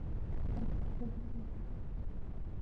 په افغانستان کې د تودوخه د اړتیاوو پوره کولو لپاره اقدامات کېږي.